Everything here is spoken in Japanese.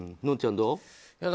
のんちゃん、どう？